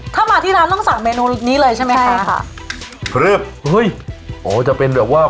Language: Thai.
ถ้ามาที่ร้านต้องสั่งเมนูนี้เลยใช่ไหมคะค่ะเริ่มเฮ้ยอ๋อจะเป็นแบบว่า